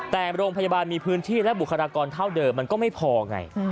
แต่โรงพยาบาลมีพื้นที่และบุคลากรเท่าเดิมมันก็ไม่พอไง